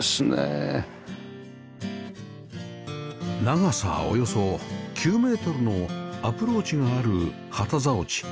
長さおよそ９メートルのアプローチがある旗竿地